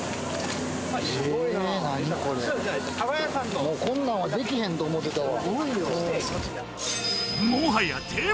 これもうこんなんはできへんと思ってたわ